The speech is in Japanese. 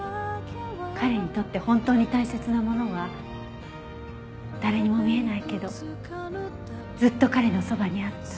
彼にとって本当に大切なものは誰にも見えないけどずっと彼のそばにあった。